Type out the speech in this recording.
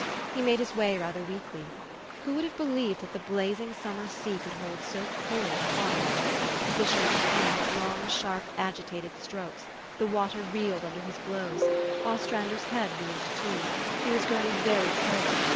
He made his way rather weakly. Who would have believed that the blazing summer sea could hold so cold a heart ? The fisherman was coming with long, sharp, agitated strokes : the water reeled under his blows. Ostrander's head reeled too. He was grow ing very cold.